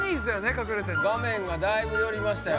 隠れてるの画面がだいぶ寄りましたよ